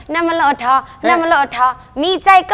คุยกับพี่เร